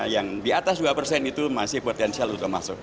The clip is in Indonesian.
yang diatas dua persen itu masih potensial untuk masuk